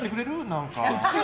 何か。